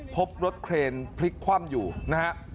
พบรถเครนพลิกคว่ำอยู่นะฮะ